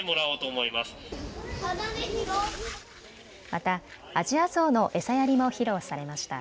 またアジアゾウの餌やりも披露されました。